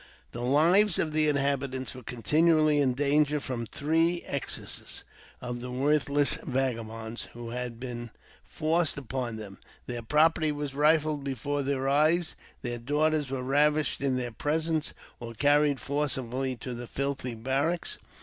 The lives of the inhabitants were continually in danger from the excesses of the worthless vagabonds who had been forced upon them; their property was rifled before their eyes, their daughters were ravished in their presence, or carried forcibly to the 25 386 AUTOBIOGBAPHY OF filthy barracks.